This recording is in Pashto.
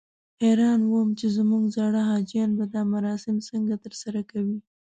حیران وم چې زموږ زاړه حاجیان به دا مراسم څنګه ترسره کوي.